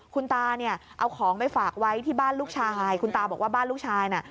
คุณตาเนี่ยเอาของไปฝากไว้ที่บ้านลูกชายคุณตาบอกว่าบ้านลูกชายน่ะ